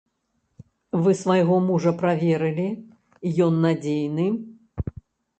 Вы свайго мужа праверылі, ён надзейны?